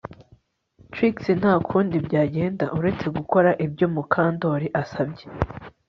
Trix nta kundi byagenda uretse gukora ibyo Mukandoli asabye